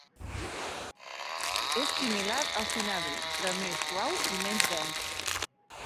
És similar al cinabri, però més suau i menys dens.